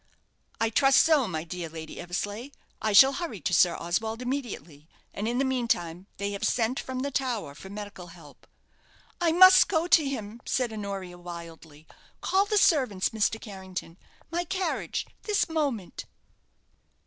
"I trust so, my dear Lady Eversleigh. I shall hurry to Sir Oswald immediately, and in the meantime they have sent from the tower for medical help." "I must go to him!" said Honoria, wildly. "Call the servants, Mr. Carrington! My carriage this moment!"